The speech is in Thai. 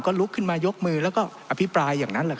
ก็ลุกขึ้นมายกมือแล้วก็อภิปรายอย่างนั้นแหละครับ